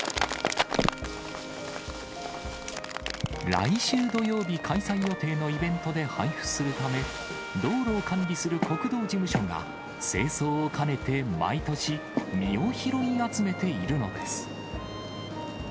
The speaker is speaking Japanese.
来週土曜日開催予定のイベントで配布するため、道路を管理する国道事務所が、清掃を兼ねて毎年、実を拾い集めているのです。